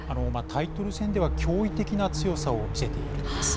タイトル戦では驚異的な強さを見せているんです。